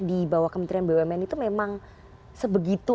di bawah kementerian bumn itu memang sebegitu